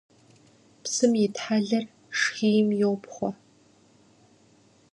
Псым итхьэлэр шхийм йопхъуэ.